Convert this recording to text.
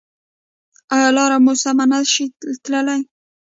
ایا لاره مو سمه نه شئ تللی؟